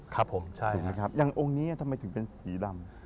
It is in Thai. ครับผมใช่ยังต้องนี้ทำไมอยู่เป็นสีดำ